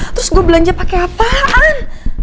terus gue belanja pakai apaan